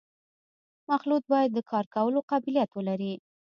مخلوط باید د کار کولو قابلیت ولري